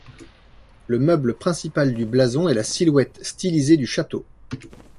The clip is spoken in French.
Le meuble principal du blason est la silhouette stylisée du château.